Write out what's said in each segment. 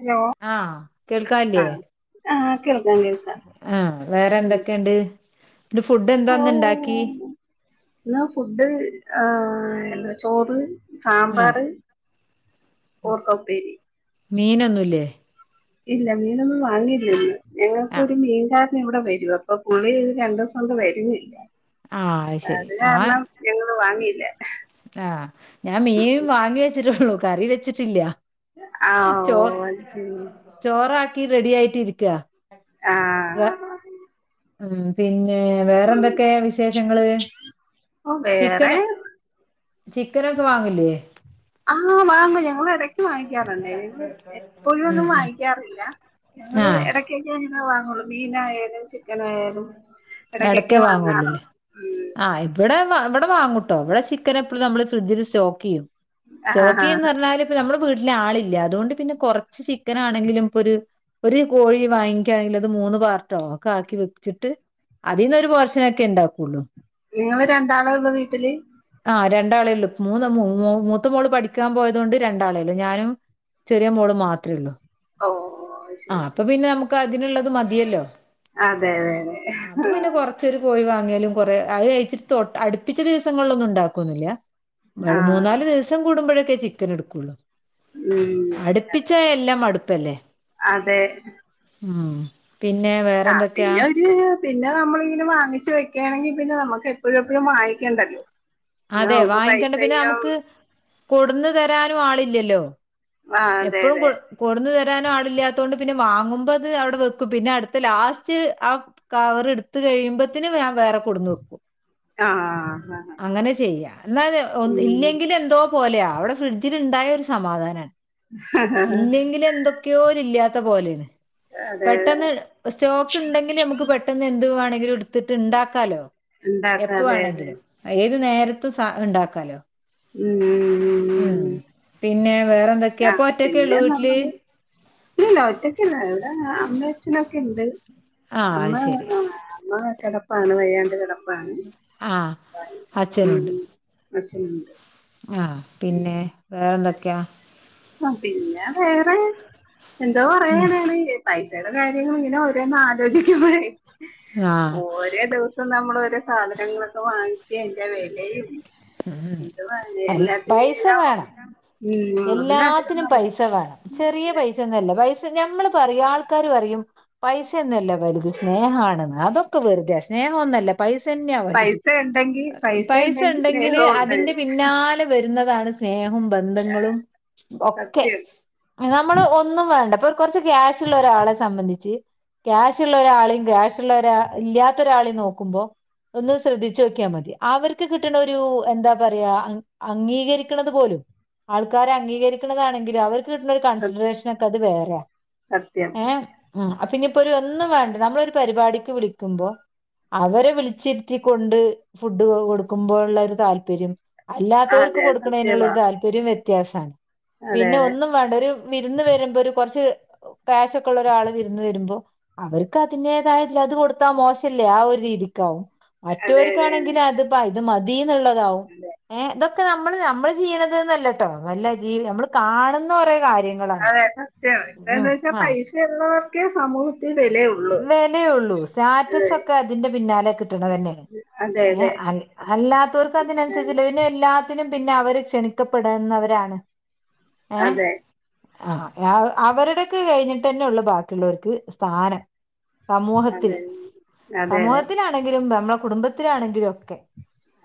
Hello ആഹ് കേൾക്കാനില്ലേ- ആഹ് ആഹ് കേൾക്കാം കേൾക്കാം ആഹ് വേറെ എന്തെക്കെയുണ്ട്. ഓഹ് ഓഹ് ഇന്ന് ഫുഡ്, ആഹ് ചോറ്- ആഹ് സാമ്പാറ്, കൂർക്ക ഉപ്പേരി. മീനൊന്നുയില്ലേ- ഇല്ല മീനൊന്നും വാങ്ങില്ലിന്ന് ഞങ്ങൾക്ക് ആഹ് ഒരു മീൻ കാരൻ ഇവിടെ വരൂ അപ്പൊ പുള്ളി ഇത് രണ്ട് ദിവസം കൊണ്ട് വരുന്നില്ല. അത് കാരണം ഇന്ന് വാങ്ങിയില്ല. ആ, ഞാൻ മീൻ വാങ്ങി വെച്ചിട്ടുള്ളൂ, കറി വെച്ചിട്ടില്ല. ആഹ് ഓ ചോ, അത് ശരി ചോറാക്കി റെഡി ആയിട്ടിരിക്കാ. ആ ഉം, പിന്നെ വേറെന്തൊക്കെ വിശേഷങ്ങള്. ഓ വേറെ ചിക്കന് ചിക്കനൊക്കെ വാങ്ങില്ലേ ആ, വാങ്ങും ഞങ്ങൾ ഇടക്ക് വാങ്ങിക്കാറുണ്ടേ, ഞങ്ങൾ എപ്പോഴും ഉം ഒന്നും ഉം വാങ്ങിക്കാറില്ല ഞങ്ങള് ആഹ് ഇടക്കൊക്കെ എങ്ങനെ വാങ്ങുള്ളൂ, മീനായാലും, ചിക്കനയാലും ഇടക്കേ വാങ്ങള്ളൂല്ലേ ആ ഇവിടെ വ ഇവിടെ വാങ്ങൂട്ടോ, ഇവിടെ ചിക്കനൊക്കെ എപ്പോളും നമ്മള് ഫ്രിഡ്ജിൽ സ്റ്റോക്ക് ചെയ്യും, ആഹ് സ്റ്റോക്ക് ചെയ്യുവെന്ന് ആഹ് പറഞ്ഞാല് നമ്മള് ആളില്ല അതുകൊണ്ട് പിന്നെ കൊറച്ച് ചിക്കന ആണെങ്കിലും ഇപ്പൊ ഒരു ഒരു കോഴി വാങ്ങിക്കുകയാണെങ്കിൽ അത് മൂന്ന് പാർട്ടോ ഒക്കെ ആക്കി വെച്ചിട്ട് അതിന്ന് ഒരു പോർഷനൊക്കെ ഉണ്ടാക്കുള്ളൂ. നിങ്ങള് രണ്ടാളേ ഉള്ളൂ വീട്ടില്? രണ്ടാളെയള്ളൂ മൂന്ന മൂത്ത മോള് പഠിക്കാൻ പോയത് കൊണ്ട് രണ്ടാളെ ഉള്ളു ഞാനും ചെറിയ മോള് മാത്രേ ഉള്ളൂ, ഓ ആ ശരി അപ്പൊ ശരി പിന്നെ നമുക്ക് അതിനുള്ളത് മതിയല്ലോ. അതെ അതെ അതെ അപ്പ പിന്നെ കൊറച്ചൊരു കോഴിവാ കുറെ അത് കഴിച്ചിട്ട് തൊട്ട് അടുപ്പിച്ച ദിവസങ്ങളിലൊന്നും ഉണ്ടാക്കു ഒന്നില്ല. ആഹ് മൂന്നാല് ദിവസം കൂടുമ്പോഴൊക്കേ ചിക്കൻ എടുക്കുള്ളു. ഉം അടുപ്പിച്ചാ എല്ലാം മടുപ്പല്ലേ, അതെ അതെ ഉം പിന്നെ വേറെ ആഹ് എന്തൊക്കെയാ പിന്നെ ഒരു പിന്നെ നമ്മളിങ്ങനെ വാങ്ങിച്ച് വെക്കയാണെങ്കിൽ, പിന്നെ നമുക്ക് എപ്പോഴും എപ്പോഴും വാങ്ങിക്കേണ്ടല്ലോ. അതെ വാങ്ങിക്കണ്ട പിന്നെ നമുക്ക് കൊടുന്ന് തരാനും ആളില്ലല്ലോ. ആഹ് അതെ എപ്പോഴും അതെ കൊടു കൊടുന്ന ത കൊണ്ട് തരാനും ആളില്ലാത്തോണ്ട് പിന്നെ വാങ്ങുമ്പോ അത് അവിടെ വെക്കും, പിന്നെ അടുത്ത ലാസ്റ്റ് ആ കവർ എടുത്ത് കഴിയുമ്പോത്തിന് ഞാൻ വേറെ കൊടുന്ന് വെക്കും. ആ, ആ എന്നാല് ഇല്ലെങ്കിലിൽ എന്തോ പോലെയ അവിടെ ഫ്രിഡ്ജിൽ ഉണ്ടായ ഒരു സമാധാനാണ് ഇല്ലെങ്കിൽ എന്തൊക്കെയോ ഇല്ലാത്ത പോലെയാണ് അതെ പെട്ടെന്ന് സ്റ്റോക്ക് ഉണ്ടെങ്കിൽ നമുക്ക് പെട്ടെന്ന് എന്തുവേണമെങ്കിലും എ എത്തിട്ട് ഉണ്ടാക്കാലോ ഉണ്ടാക്കാതെ അതെ അതെ എപ്പവാണെങ്കിലും ഏത് നേരത്തും സ ഉണ്ടാക്കാലോ ഉം പിന്നെ വേറെ എന്തൊക്കെയാ ആ ഒറ്റക്കേ ഉള്ളൂ പിന്നെ വീട്ടില് നമ്മള് ഇല്ല ഒറ്റക്കല്ല എവിടെ അമ്മഅച്ഛനൊക്കെ ഉണ്ട് ആ അമ്മ അത് ശരി ആ അമ്മ കിടപ്പാണ് വയ്യാണ്ട് കിട ആ ഉം അച്ഛന ഇണ്ട് ആഹ പിന്നെ വേറെന്തൊക്കെയാ, ആ പിന്നെ വേറെ എന്തോ പറയാനാണ് പൈസ ചെല കാര്യങ്ങൾ ഇങ്ങനെ ഓരോന്ന് ആലോചിക്കുമ്പോഴേ ആ ഓരോ ദിവസം നമ്മൾ ഒരോ സാധനങ്ങളൊക്കെ വാങ്ങി എന്റെ വിലയും ഉം ഇത് അ പൈസ എല്ലാത്തിലും വേണം ഉം എല്ല അതിലധികം എല്ലാത്തിനും പൈസ വേണം ചെറിയ പൈസ ഒന്നല്ല പൈസ ഞമ്മൾ പറയും ആൾക്കാർ പറയും പൈസൊന്നല്ല വലുത് സ്നേഹാണെന്ന് അതൊക്കെ വെറുതയ സ്നേഹന്നല്ല പൈസന്നെ വലുത് പൈസ ഉണ്ടെങ്കി പൈസ ഉണ്ടെങ്കി പൈസണ്ടങ്കിൽ സ്നേഹമുണ്ട് അതിന്റെ പിന്നാലേ വരു - വരുന്നതാണ് സ്നേഹവും ബന്ധങ്ങളും ഒക്കെ സത്യം നമ്മള് ഒന്നും വേണ്ട പ്പൊ കൊറച്ച് ക്യാഷ്ള്ള ഒരാളെ സംബന്ധിച്ച് ക്യാഷ്ള്ള ഒരാളെയും ക്യാഷ്ള്ള ഒരാ ഇല്ലാത്ത ഒരാളെയും നോക്കുമ്പോ ഒന്ന് ശ്രദ്ധിച്ച് നോക്കിയാ മതി അവർക്ക് കി കിട്ട്ണ ഒരു എന്താ പറയാ അംഗീകരിക്കണത് പോലും ആൾക്കാരെ അംഗീകരിക്കണതാണെങ്കിലും അവർക്ക് കിട്ടുന്ന ഒരു കൺസിഡറേഷന ഒക്കെ അത് വേറെയാ സത്യം അയ് പിന്നയിപ്പോ ഒര് ഒന്നും വേണ്ട നമ്മളെ ഒര് പരിപാടിക്ക് വിളിക്കുമ്പോ അവരെ വിളിച്ച് ഇര്ത്തിക്കൊണ്ട് ഫുഡൊക്കെ കൊട് ക്കുമ്പോള്ള ഒര് താല്പര്യം അല്ലാത്തോര്ക്ക് അതെ കൊട്ക്ക്ണെയിന് ഇള്ള സത്യമാ ഒര് താല്പര്യം വ്യത്യാസാണ് അതെ പിന്നെ അതെ ഒന്നും വേണ്ട ഒര് വിര്ന്ന് വെരുമ്പൊ ഒര് കൊർച്ച് ക്യാഷ് ഒക്കെ ഉള്ള ഒരാൾ വിര്ന്ന് വെരുമ്പോ അവർക്ക് അതിന്റെതായ ഇതിൽ അത് കൊട്ത്താ മോശ അല്ലേ ആ ഒര് രീതിക്ക് ആവും അതെ അതെ അതെ മറ്റൊര്കാണെങ്കിൽ അത്പ്പാ ഇത് മതീന്ന് ഇള്ളതാകും അതെ നമ്മൾ നമ്മൾ ചെയ്യണത് ന്ന് അല്ലട്ടോ നല്ല ജീ നമ്മൾ കാണ്ന്ന കൊറെ കാര്യ അതെ സത്യാണ് ഇപ്പ എന്തൊയ്ച്ചാ പൈസ ഉള്ളവർക്കെ സമൂഹത്തിൽ വിലയുള്ളൂ വെലയൊള്ളു സ്റ്റാറ്റസ് ഏഹ് ഒക്കെ അതിന്റെ പിന്നാലെ കിട്ട്ണതെന്നെ അതെ ഏ അതെ അൽ അല്ലാത്തോർക്ക് അതിന്‌ അൻസെര്ച്ച് അല്ലെ പിന്നെ എല്ലാത്തിനും പിന്നെ അവര് ക്ഷണിക്കപ്പെടുന്നവരാണ് അതെ ആ അവ അവരുടെക്കെ കഴിഞ്ഞ്ട്ടെന്നൊള്ളു ബാക്കിയുള്ളൊർക്ക് സ്ഥാനം സമൂഹത്തിൽ അതെ അതെ അതെ സമൂഹത്തിലാണെങ്കിലും നമ്മളെ കുടുംബത്തിലാണെങ്കിലും ഒക്കെ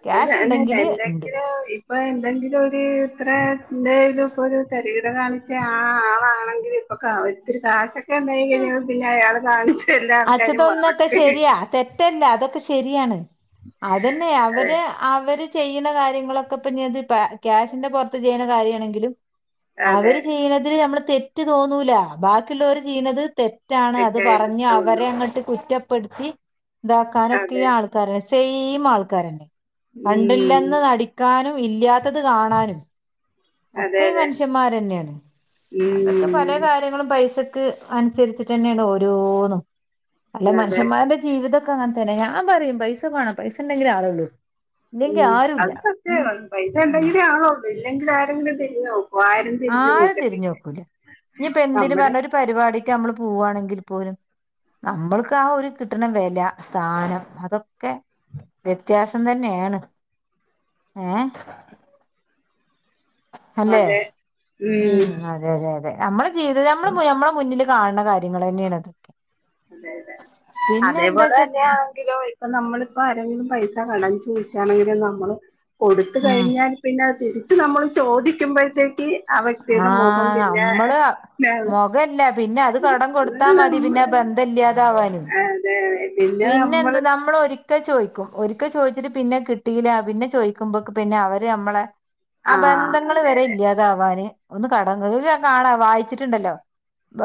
അത് തന്നെ ക്യാഷ് അല്ല ഇണ്ടെങ്കില് ഇണ്ട് എന്തെങ്കിലും ഇപ്പ എന്തെങ്കിലും ഒര് ഇത്ര എന്തേലും ഒക്കെ ഒര് തെ തിരുത കാണിച്ചാ ആ ആളാണെങ്കിലും ഇപ്പ കാ ഒത്തിരി കാശോ ക്കെ എന്തെങ്കിലും പിന്നെ അയാൾ കാണിച്ചു ആ ഇച്ച്തൊന്നൊക്കെ ശരിയാ തെറ്റല്ല അതൊക്കെ ശരിയാണ് അതെന്നെ അതെ അവര് അവര് ചെയ്യ്ണ കാര്യങ്ങളൊക്കെ ഇപ്പ ഇഞ് അത് ക്യാഷിന്റെ പൊർത്ത് ചെയ്യ്ണ കാര്യ ആണെങ്കിലും അതെ അവര് ചെയ്യ്ണതില് നമ്മൾ തെറ്റ് തോന്നൂലാ ബാക്കിയിള്ളോര് ചെയ്യ്ണത് തെ തെറ്റാണ് അത് തെറ്റായിട്ട് പറഞ്ഞാ തോന്നും ട്ട് കുറ്റപ്പെട്ത്തി ഇതാക്കാനൊക്കെ ഈ അതെ ആൾക്കാരെന്നെ സെയിം ആൾക്കാരെന്നെ ഉം കണ്ടില്ലെന്ന് നടിക്കാനും ഇല്ലാത്തത് കാണാനും അതെ ഒക്കെ ഈ അതെ മനുഷ്യന്മാരെന്നെയാണ് അതൊക്കെ പലെ ഉം കാര്യങ്ങളും പൈസ ക്ക് അനുസെരിച്ചിട്ടെന്നെയാണ് ഓരോന്നും അല്ലതെ അതെ മനുഷ്യന്മാരുടെ ജീവിത ക്കെ അങ്ങൻ തന്നെ ഞാൻ പറയും പൈസ വേണം പൈസണ്ടെങ്കിലെ ആൾ ഒള്ളു ഉം അത് സത്യ പൈസ ആ ഇണ്ടെങ്കിലേ ആളൊള്ളു ഇല്ലെങ്കിൽ ആരെങ്കിലും തിരിഞ്ഞ് നോ ആരും തിരിഞ്ഞ് നോക്കൂലാ ഇഞ്പ്പ എന്തിന് നമ്മുടെ പറിണ് ഒര് പരിപാടി ക്ക് അമ്മൾ പോവാണെങ്കിൽ പോലും നമ്മൾക്ക് ആ ഒര് കിട്ട്ണ വെല സ്ഥാനം അതൊ ഒക്കെ വ്യത്യാസം തന്നെയാണ്. ഏ അല്ലെ അതെ ഉം അതെ അതെ അതെ. നമ്മടെ ജീവിതം നമ്മടെ നമ്മടെ മുന്നില് കാണണ കാര്യങ്ങള് തന്നെയാണത്. അതെ അതെ. അതേപോലെ തന്നെയാണെങ്കിലോ ഇപ്പ നമ്മളിപ്പോ ആരെങ്കിലും പൈസ കടം ചോദിച്ചാണെങ്കിലും നമ്മള് കൊടുത്ത് ഉം കഴിഞ്ഞാ പിന്നെ അത് തിരിച്ചു നമ്മള് ചോദിക്കുമ്പോഴത്തേക്ക് വ്യക്തിയുടെ ആ മുഖം പിന്നെ നമ്മള് മൊഖല്ല പിന്നെ അത് കടം കൊടുത്താ മതി. പിന്നെ നമ്മള് ബാൻ ന്താ ഇല്ല്യാതാവാനും അതെ പിന്നെ എന്ത് നമ്മള് നമ്മളൊരി ക്കെ ചോയിക്കും. ഒരിക്കെ ചോദിച്ചിട്ട് പിന്നെ കിട്ടില്ല പിന്നെ ചോയിക്കുമ്പ പിന്നെ അവര് ഞമ്മളെ ആ ആഹ് ബന്ധങ്ങൾ അതെ വരെ അതെ ഇല്യാതാവാന് ഒന്ന് കട കാണാ വായിച്ചിട്ടുണ്ടല്ലോ.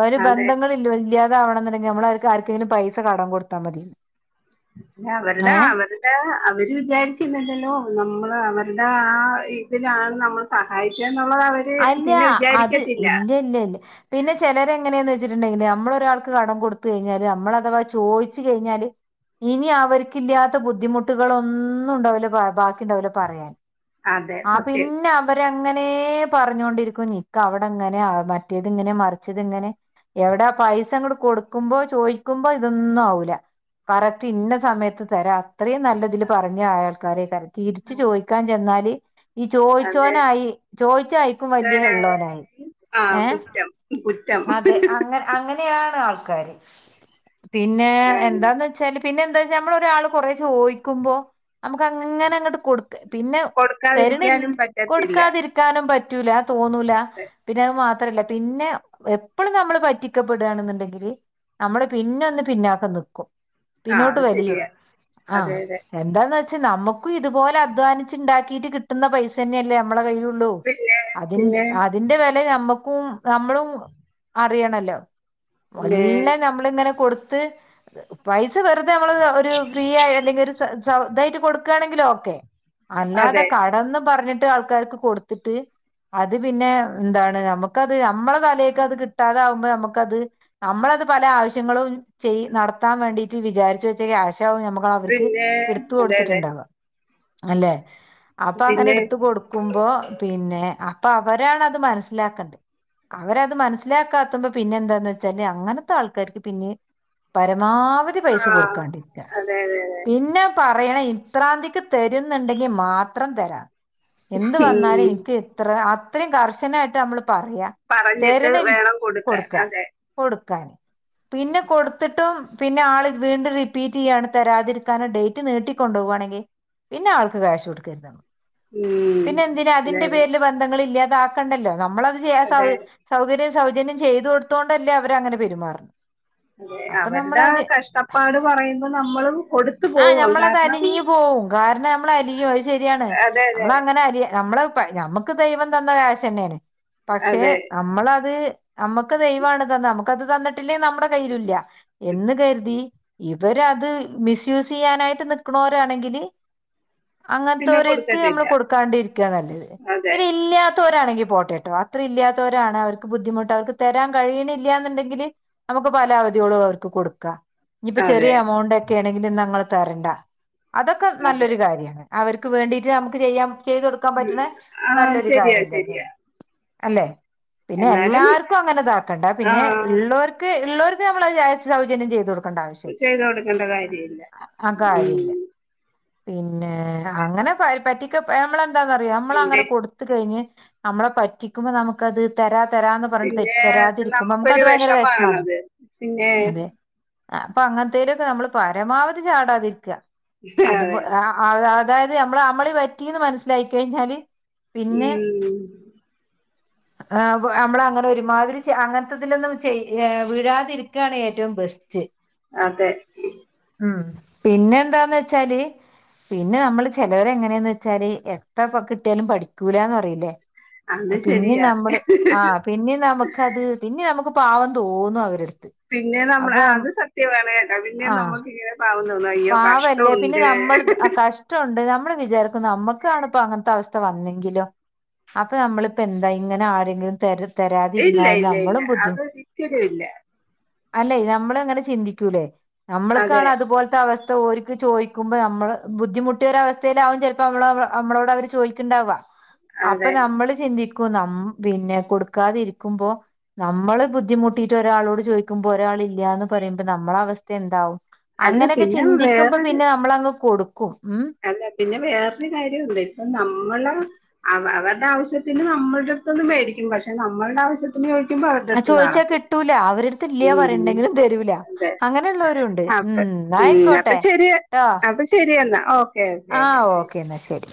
ഒരു അതെ ബന്ധങ്ങളില്ല്യാതാവണൊണ്ടെങ്കി നമ്മൾ അവർക്ക് ആർക്കെങ്കിലും പൈസ കടം കൊടുത്താ മതി. അവരുടെ ഏ അവരുടെ അവര് വിചാരിക്കുന്നില്ലല്ലോ നമ്മള് അവരുടെ ആ ഇതിലാണ് നമ്മള് സഹായിച്ചേ അല്ല അത് ഇല്ല ഇല്ല ഇല്ല പിന്നെ ചെലരെങ്ങനെന്ന് വ ച്ചിട്ടുണ്ടെങ്കില് നമ്മളൊരാൾക്ക് കടം കൊടുത്ത് കയിഞ്ഞാല് നമ്മളഥവാ ചോയിച്ച് കഴിഞ്ഞാല് ഇനി അവരിക്കില്ലാത്ത ബുദ്ധിമുട്ടുകളൊന്നുംണ്ടാവില്ല ബാ ണ്ടാവില്ല പറയാന് അതെ ആ സത്യം പിന്നെ അവര് അങ്ങനേ പറഞ്ഞൊണ്ടിരിക്കും. നിക്ക അവിടങ്ങനെ മറ്റേതിങ്ങനെ മറിച്ചതിങ്ങനെ എവിടാ പൈസയങ്ങട് കൊടുക്കുമ്പോ ചോയിക്കുമ്പോ ഇതൊന്നും ആവൂല. കറക്റ്റ് ഇന്ന സമയത്ത് തരാ അത്രയും നല്ലതില് പറഞ്ഞ ആയൽക്കാരെ തിരിച്ചു ചോയിക്കാൻ ചെന്നാല് ഈ അതെ ചോയിച്ചോനായി ചോയിച്ചായിക്കും വല്ല്യള്ളോനായി. ആഹ് ഏ കുറ്റം കുറ്റം അതെ അങ്ങ അങ്ങനെയ ണ് ആൾക്കാര് പിന്നെ അതാണ് എന്താന്ന് വച്ചാല് പിന്നെ എന്താച്ചാ നമ്മള് ഒരാൾ കൊറേ ചോയിക്കുമ്പോ നമുക്ക് അങ്ങനെ അങ്ങട്ട് കൊടുക്ക പിന്നെ കൊടുക്കാതിരിക്കാനും പറ്റത്തില്ല തെരണി--കൊടുക്കാതിരിക്കാനും പറ്റൂല. തോന്നൂല പിന്നെ അത് മാ അത്രല്ല പിന്നെ എപ്പളും നമ്മള് പറ്റിക്കപ്പെടുവാണെന്നുണ്ടെങ്കില് നമ്മള് പിന്നൊന്ന് പിന്നാക്കം നിക്കും. ആ പിന്നോട്ട് അത് വലിയും. ശരിയാ ആ അതെ അതെ എന്താന്ന് വച പക്ഷെ നമുക്കും ഇതുപോലെ അധ്വാനിച്ച് ഇണ്ടാക്കിട്ട് കിട്ടുന്ന പൈസന്നെയല്ലേ നമ്മടെ കയ്യിലു ള്ളു പിന്നെ അതി പിന്നെ അതിന്റെ വെല നമ്മക്കും നമ്മളും അറിയണല്ലോ. പിന്നെ എല്ലാം നമ്മളിങ്ങനെ കൊടുത്ത് പൈസ വെറു തെ നമ്മള് ഒരു ഫ്രീ ആ അല്ലെങ്കിൽ ഒരു സൗ സൗ ഇതായിട്ട് കൊടുക്കയാണെങ്കിലോക്കെ. അതെ. എന്ന് പറഞ്ഞിട്ട് ആൾക്കാർക്ക് കൊടുത്തിട്ട് അത് പിന്നെ എന്താണ് നമക്കത് നമ്മള തലയേക്ക് അത് കിട്ടാതാവുമ്പോ നമക്കത് നമ്മള പല ആവശ്യങ്ങളും ചെയ്--നടത്താൻ വേണ്ടീട്ട് വിചാരിച്ചു വെച്ച ക്യാഷ് [unintelligible] നമ്മക്ക് അവർക്ക് പിന്നെ എടുത്ത് അതെ അതെ കൊടുത്തിട്ടുണ്ടാവാം അല്ലെ. അപ്പൊ അങ്ങനെ പിന്നെ എടുത്ത് കൊടുക്കുമ്പോ പിന്നെ അപ്പൊ അവരാണത് മനസ്സിലാക്കണ്ടെ. അവരത് മനസ്സിലാക്കാത്തുമ്പ പിന്നെ എന്താന്ന് വെച്ചാല് അങ്ങനത്തെ ആൾക്കാർക്ക് പിന്നെ പരമാവധി ആ പൈസ കൊടുക്കാണ്ടിരിക്ക അതെ അതെ അതെ പിന്നെ പറയണ ഇത്രാന്തിക്ക് തരുന്നുണ്ടെങ്കി മാത്രം തരാം. എന്ത് വന്നാലും ഉം എനിക്ക് ഇത്ര ആ അത്രയും കർശനായിട്ട് നമ്മള് പറയാ പറഞ്ഞിട്ട് തരണിൽ വേണം കൊടുക്കാൻ കൊടുക്ക അതെ കൊടുക്ക. കാൻ പിന്നെ കൊടുത്തിട്ടും പിന്നെ ആള് വീണ്ടും റിപ്പീറ്റ് ചെയ്യാണ് തരാതിരിക്കാന ഡേറ്റ് നീട്ടിക്കൊണ്ടുപോക ആണെങ്കി പിന്നെ ആള്ക്ക് കാശ് കൊടുക്കരുത് ഉം പിന്നെ എന്തിനാ അതെ അതിന്റെ അതെ പേരിൽ ബന്ധങ്ങളില്ലാ തക്കണ്ടല്ലോ നമ്മളത് ചെയ്യ സൗക അതെ സൗകര്യ സൗജന്യം ചെയ്തു കൊടുത്തൊണ്ടല്ലേ അവരങ്ങനെ പെരുമാറ അതെ അവരുടെ കഷ്ടപ്പാട് പറയുമ്പോ നമ്മളും കൊടുത്തു ആ പോകും ഞമ്മൾ അത് കാരണം അലിഞ്ഞ് പോവും കാരണം ഞമ്മൾ അലിയും അത് ശരിയാണ് അതെ അതെ നമ്മൾ അങ്ങനെ അലിയ നമ്മൾ പ്പഴ് ഞമ്മക്ക് ദൈവം തന്ന കാശെന്നെയാണ് പക്ഷെ അതെ നമ്മളത് നമ്മക്ക് ദൈവാണ് തന്നെ നമ്മക്കത് തന്നിട്ടില്ലെ നമ്മളെ കയ്യിലും ഇല്ല എന്ന് കരുതി ഇവരത് മിസ്യൂസ് ചെയ്യാനായിട്ട് നിക്ക്ണോരാണെങ്കില് പിന്നെ അങ്ങൻത്തോര്ക്ക് നമ്മൾ കൊടുക്കത്തില്ല കൊട്ക്കാണ്ടിരിക്കാ നല്ലത് അതെ പിന്നെ ഇല്ല്യാത്തോര് ല്‌ആണെങ്കി പോട്ടെട്ടോ അത്രിം ഇല്ലാത്തോരാണ് അവർക്ക് ബുദ്ധിമുട്ട് അവർക്ക് തരാൻ കഴിയിണില്ല്യാന്ന്ണ്ടെങ്കിൽ നമ്മുക്ക് പല അവധികളും അവർക്ക് കൊട്ക്കാ ഇഞ്പ്പ ചെറിയ അതെ എമൗണ്ടെക്കെ ആണെങ്കിൽ നമ്മൾ തരണ്ട അതൊക്കെ അതെ നല്ലൊരു കാര്യാണ് അവർക്ക് വേണ്ടിട്ട് നമുക്ക് ചെയ്യാം ചെയ്ത് കൊടുക്കാൻ ഉം. പറ്റ്ണെ ആ നല്ലൊരു ശരിയാ കാര്യം ശരിയാ തന്നെയെണ് അല്ലെ പിന്നെ എന്നാലും എല്ലാർക്കും അങ്ങനെ ഇതാക്കണ്ട പിന്നെ ആഹ് ഇള്ളോർക്ക് ഇള്ളോര് ത് നമ്മൾ അത് വിചാരിച്ച് സൗജന്യം ചെയ്ത് കൊട് ചെയ്ത് കൊട്ക്കെണ്ട കാര്യം ഇല്ല ആ കാര്യ ഇല്ല പിന്നെ അങ്ങനെ പ പറ്റിക്ക പെ നമ്മളെ എന്താന്നറിയൊ നമ്മൾ എന്ത് അങ്ങനെ കൊട്ത്ത് കഴിഞ്ഞ് നമ്മളെ പറ്റിക്കുമ്പോ നമുക്കത് തരാ തരാന്ന് പർൺട്ട് തെ പിന്നെ തരാതിരിക്കുമ്പോ നമുക്ക് നമുക്കൊരു അത് ഭയങ്കര വെഷ്മാണ് വിഷമാണത് പിന്നെ അതെ അപ്പ അങ്ങൻത്തേലൊക്കെ നമ്മള് പരമാവധി ചാടാതിര്ക്കാ അത്പോ അതെ അ അത് അത് അതായത് നമ്മൾ അമളി പറ്റിന്ന് മനസ്സിലായി കഴിഞ്ഞാൽ ഉം ആ നമ്മള അങ്ങനെ ഒരുമാതിരി ചെ അങ്ങനത്തിതിലൊന്നും ചെയ് വീഴാതിരിക്കാണ് ഏറ്റവും ബെസ്റ്റ് അതെ ഉം പിന്നെ എന്താന്ന് വെച്ചാല് പിന്നെ നമ്മള് ചെലവര് എങ്ങനെയാന്ന് വച്ചാല് എത്ര പൊ കിട്ടിയാലും പഠിക്കൂ ലാന്ന് പറയിലേ അത് പിന്നിം ശരിയാണ് നമ്മള് ആഹ് പിന്നിം നമുക്കത് പിന്നെ നമുക്ക് പാവം തോന്നും അവരട് പിന്നെ നമ്മള് ആ അത് സത്യവാണ് കേട്ടാ പിന്നേം ആഹ് നമ്മുക്കിങ്ങനെ പാവല്ലേ പിന്നെ നമ്മളിത് ആ കഷ്ടോണ്ട് നമ് നമ്മള് വിചാരിക്കും നമ്മക്കാണ് ഇപ്പ അങ്ങനത്തെ അവസ്ഥ വന്നെങ്കിലോ അപ്പൊ നമ്മളിപ്പോ എന്താ ഇങ്ങനെ ആരെങ്കിലും തര് തരാതിരുന്ന ഇല്ല ഇല്ല ഇല്ല നമ്മളും ബുദ്ധി അതൊരിക്കലും ഇല്ല അല്ലെ നമ്മള് അങ്ങനെ ചിന്തിക്കൂലേ അതെ നമ്മൾക്കാണ് അതുപോലെ അവസ്ഥ ഓര്ക്ക് ചോയ്ക്കുമ്പോ നമ്മള് ബുദ്ധിമുട്ടിയ ഒര് അവസ്ഥയിലാവും ചിലപ്പോ മ്മള് നമ്മളോട് അവര് ചോയ്ക്ക്ണ്ടാവ അപ്പൊ അതെ നമ്മള് ചിന്തിക്കും നമ് പിന്നെ കൊടുക്കാതിരിക്കുമ്പോ നമ്മള് ബുദ്ധിമുട്ടിട്ട് ഒരാളോട് ചോയ്ക്കുമ്പോ ഒരാള് ഇല്ല്യാന്ന് പറയുമ്പ നമ്മള അവസ്ഥ എന്താവും അല്ല അങ്ങനെക്കെ പിന്നെ ചിന്തിക്കുമ്പോ വേറൊരു പിന്നെ നമ്മളങ്ങ് കൊടുക്കും ഉം അല്ല പിന്നെ വേറൊരു കാര്യോണ്ട് ഇപ്പൊ നമ്മള് അവ അവര്ടെ ആവശ്യത്തിന് നമ്മളുടെ അടുത്ത്ന്ന് മേടിക്കും പക്ഷെ നമ്മള്ടെ ആവശ്യത്തിന് ചോയ് ആ ചോയ്ച്ചാ കിട്ടൂല അവരടുത്ത് ഇല്യാ ഉം പറയും ഇണ്ടെങ്കിലും തരൂല അതെ അങ്ങനെളേളാരും ഉണ്ട് അപ്പ ഉം ന്നാ ഉം അപ്പൊ ആയിക്കോട്ടെ ശരി ട്ടോ അപ്പൊ ശരിയെന്നാ ആഹ് ഓക്കേ എന്നാ ശരി